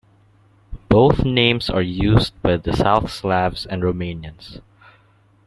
Both names are used by the South Slavs and Romanians.